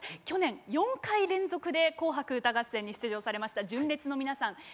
去年４回連続で「紅白歌合戦」に出場されました純烈の皆さん。